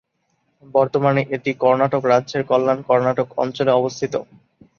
বর্তমানে এটি কর্ণাটক রাজ্যের কল্যাণ কর্ণাটক অঞ্চলে অবস্থিত।